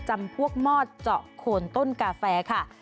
จำพวกมอดเจาะโคนต้นกาแฟค่ะ